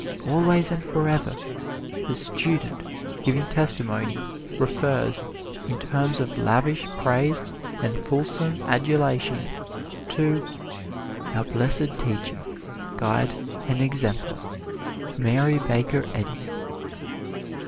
Always and forever, the "student" giving testimony refers, in terms of lavish praise and fulsome adulation, to "Our Blessed Teacher, Guide and Exemplar, Mary Baker Eddy."